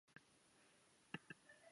本方归于足少阴肾经药。